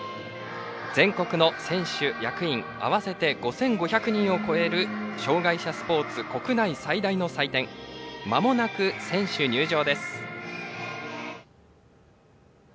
全国の選手・役員合わせて５５００人を超える障害者スポーツ国内最大の祭典まもなく選手入場です。